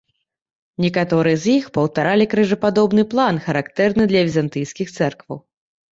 Некаторыя з іх паўтаралі крыжападобны план, характэрны для візантыйскіх цэркваў.